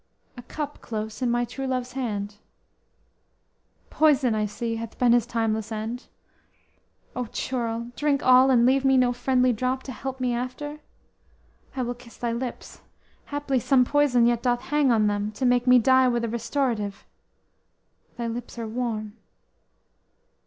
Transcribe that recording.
a cup close in my true love's hand; Poison, I see, hath been his timeless end; O churl! drink all; and leave me no friendly drop To help me after? I will kiss thy lips; Haply, some poison yet doth hang on them, To make me die with a restorative. Thy lips are warm!